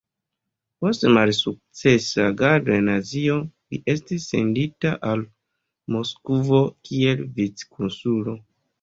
Post malsukcesa agado en Azio, li estis sendita al Moskvo kiel vic-konsulo.